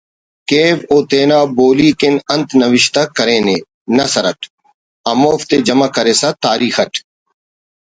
کیو و اوتینا بولی کن انت نوشتہ کرینے نثر اٹ ہموفتے جمع کرسہ تاریخ اٹ